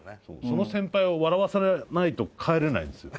その先輩を笑わせないと帰れないんですよ。